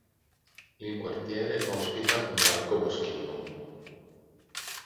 Il quartiere ospita un parco boschivo.